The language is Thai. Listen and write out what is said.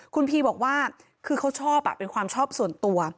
คุณพีบอกว่าคือเขาชอบเป็นความชอบส่วนตัว